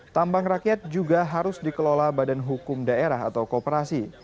tambang rakyat juga harus dikelola badan hukum daerah atau kooperasi